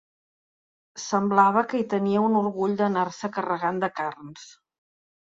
Semblava que hi tenia un orgull d'anar-se carregant de carns.